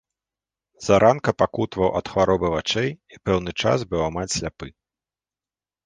Заранка пакутаваў ад хваробы вачэй і пэўны час быў амаль сляпы.